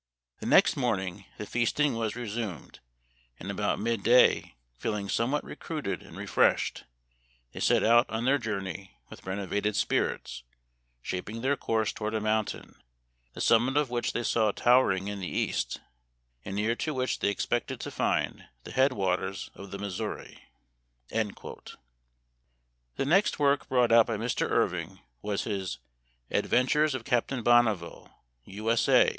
" The next morning the feasting was re sumed, and about midday, feeling somewhat recruited and refreshed, they set out on their journey with renovated spirits, shaping their course . a mountain, the summit of which they saw towering in the east, and near to which they expected to find the head waters of the 5souri w The next work brought out by Mr. Irving his " Adventures of Captain Bonneville, U S, A.